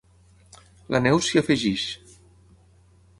La Neus s'hi afegeix.